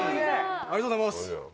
ありがとうございます。